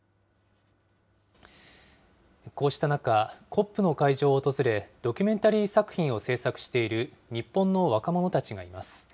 こうした中、ＣＯＰの会場を訪れ、ドキュメンタリー作品を制作している日本の若者たちがいます。